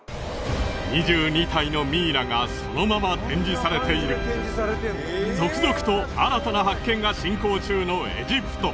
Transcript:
２２体のミイラがそのまま展示されている続々と新たな発見が進行中のエジプト